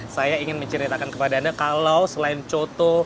saya ingin menceritakan kepada anda kalau selain coto